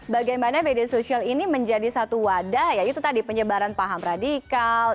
bagaimana media sosial ini menjadi satu wadah ya itu tadi penyebaran paham radikal